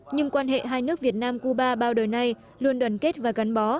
nhưng quan hệ hai nước việt nam cuba bao đời nay luôn đoàn kết và gắn bó